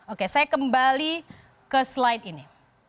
oke saya kembali ke slide ini